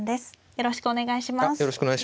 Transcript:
よろしくお願いします。